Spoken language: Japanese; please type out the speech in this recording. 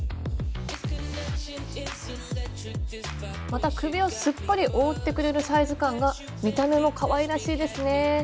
また首をすっぽり覆ってくれるサイズ感が見た目もかわいらしいですね。